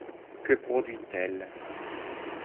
Que produit-elle?